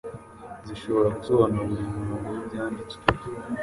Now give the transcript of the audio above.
zishobora gusobanura buri murongo w’Ibyanditswe;